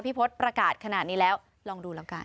พศประกาศขนาดนี้แล้วลองดูแล้วกัน